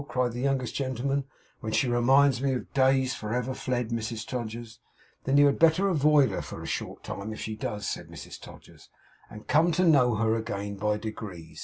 cried the youngest gentleman; 'when she reminds me of days for ever fled, Mrs Todgers!' 'Then you had better avoid her for a short time, if she does,' said Mrs Todgers, 'and come to know her again, by degrees.